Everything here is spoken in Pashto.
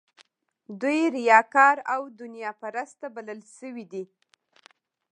دوی ریاکار او دنیا پرسته بلل شوي دي.